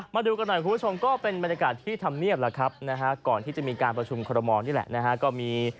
มาดูกันหน่อยคุณผู้ชมก็เป็นบรรยากาศที่ทำเนียบแล้วล่ะก่อนที่จะมีการประชุมคณะรัฐมนตรีก็มี